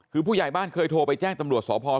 คือผู้ใหญ่บ้านเคยโทรไปแจ้งตำรวจสพ